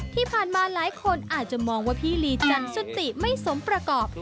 ที่ผ่านมาหลายคนอาจจะมองว่าพี่ลีจันสติไม่สมประกอบ